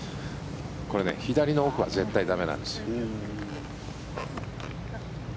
これね左の奥は絶対駄目なんです。